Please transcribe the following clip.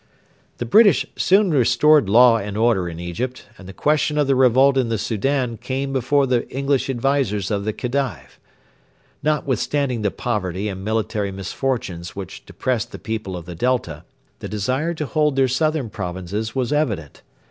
The British soon restored law and order in Egypt, and the question of the revolt in the Soudan came before the English advisers of the Khedive. Notwithstanding the poverty and military misfortunes which depressed the people of the Delta, the desire to hold their southern provinces was evident.